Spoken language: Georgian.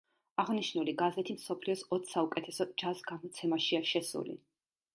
აღნიშნული გაზეთი მსოფლიოს ოც საუკეთესო ჯაზ გამოცემაშია შესული.